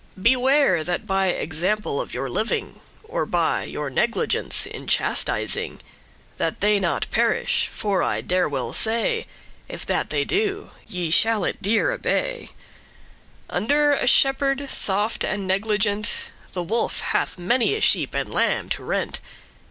Beware, that by example of your living, Or by your negligence in chastising, That they not perish for I dare well say, If that they do, ye shall it dear abeye.* *pay for, suffer for Under a shepherd soft and negligent The wolf hath many a sheep and lamb to rent.